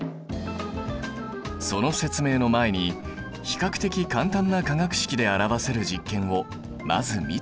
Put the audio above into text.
その説明の前に比較的簡単な化学式で表せる実験をまず見てみよう。